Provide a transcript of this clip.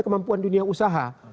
kemampuan dunia usaha